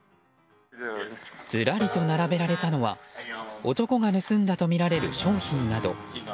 ずらりと並べられたのは男が盗んだとみられる商品など。